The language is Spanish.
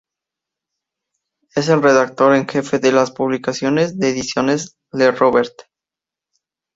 Es el redactor en jefe de las publicaciones de ediciones Le Robert.